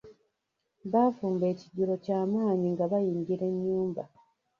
Baafumba ekijjulo kya manyi nga bayingira ennyumba.